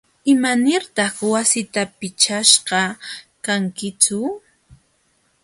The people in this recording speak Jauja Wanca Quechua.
¿Imanirtaq wasita pichashqa kankitsu?